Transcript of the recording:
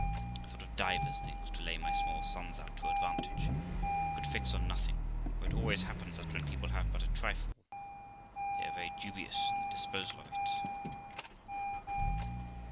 I thought of divers things to lay my small sums out to advantage, but could fix on nothing ; for it always happens that when people have but a trifle, they are very dubious in the dis posal of it.